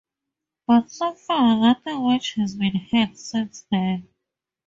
But so far, nothing much has been heard since then.